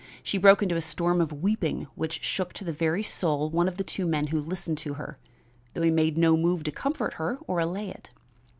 She broke into a storm of weeping which shook to the very soul one of the two men who listened to her, though he made no move to comfort her or allay it.